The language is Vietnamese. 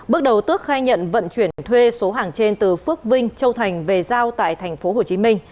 bước đầu tước khai nhận vận chuyển thuê số hàng trên từ phước vinh châu thành về giao tại tp hcm